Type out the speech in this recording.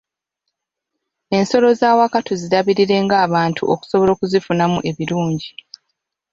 Ensolo z'awaka tuzirabirire ng'abantu okusobola okuzifunamu ebirungi.